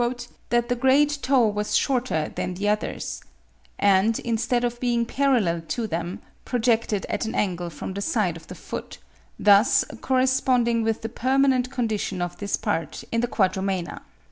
found "that the great toe was shorter than the others; and, instead of being parallel to them, projected at an angle from the side of the foot, thus corresponding with the permanent condition of this part in the quadrumana."